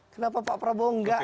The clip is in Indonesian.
kenapa pak prabowo enggak